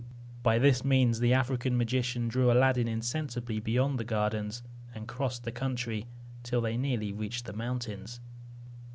By this means the African magician drew Aladdin insensibly beyond the gardens, and crossed the country, till they nearly reached the mountains.